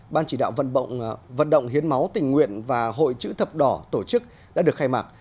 ban chỉ đạo vận động hiến máu tình nguyện và hội chữ thập đỏ tổ chức đã được khai mạc